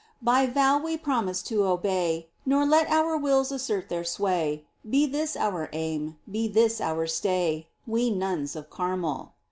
By vow we promised to obey Nor let our wills assert their sway : Be this our aim, be this our stay. We nuns of Carmel